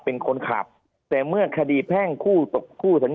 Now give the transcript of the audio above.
ภารกิจสรรค์ภารกิจสรรค์